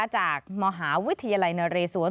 จากมหาวิทยาลัยนเรศวร